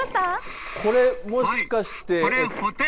これ、もしかして。